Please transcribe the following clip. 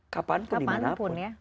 kapan pun dimanapun